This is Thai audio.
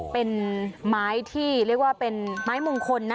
เป็นไม้ที่เรียกว่าเป็นไม้มงคลนะ